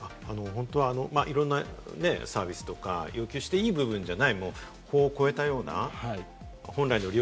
本当はいろんなサービスとか、要求していい部分じゃないもの、法を超えたような。